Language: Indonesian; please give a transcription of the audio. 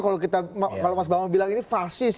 kalau kita kalau mas bambang bilang ini fasis